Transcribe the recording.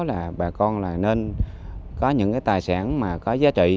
thứ hai là bà con là nên có những cái tài sản mà có giá trị